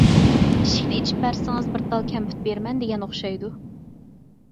ئىشىكنى ئېچىپ بەرسىڭىز بىر تال كەمپۈت بېرىمەن، دېگەن ئوخشايدۇ.